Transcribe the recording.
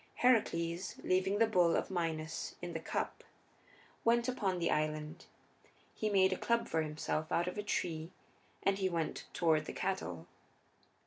Heracles, leaving the bull of Minos in the cup, went upon the island; he made a club for himself out of a tree and he went toward the cattle.